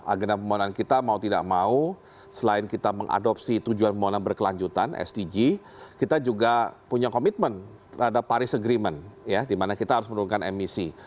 agenda pembangunan kita mau tidak mau selain kita mengadopsi tujuan pembangunan berkelanjutan sdg kita juga punya komitmen terhadap paris agreement dimana kita harus menurunkan emisi